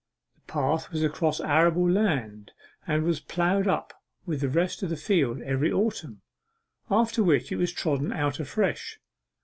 The path was across arable land, and was ploughed up with the rest of the field every autumn, after which it was trodden out afresh.